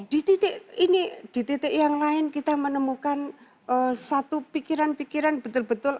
di titik ini di titik yang lain kita menemukan satu pikiran pikiran betul betul